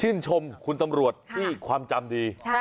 ชมคุณตำรวจที่ความจำดี